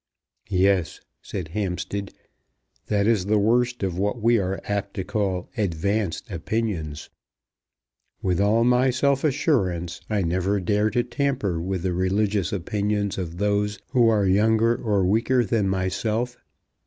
"Yes," said Hampstead; "that is the worst of what we are apt to call advanced opinions. With all my self assurance I never dare to tamper with the religious opinions of those who are younger or weaker than myself.